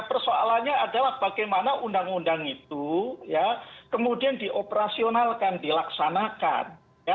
persoalannya adalah bagaimana undang undang itu ya kemudian dioperasionalkan dilaksanakan